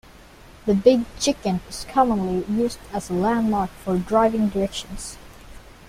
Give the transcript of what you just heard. The Big Chicken is commonly used as a landmark for driving directions.